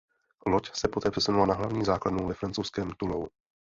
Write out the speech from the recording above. Loď se poté přesunula na hlavní základnu ve francouzském Toulonu.